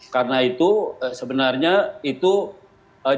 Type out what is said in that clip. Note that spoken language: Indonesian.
karena itu sebenarnya itu jaksa